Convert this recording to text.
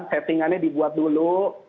settingannya dibuat dulu